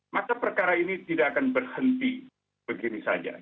maka perkara ini tidak akan berhenti begini saja